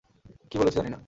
কী বলেছি জানি না।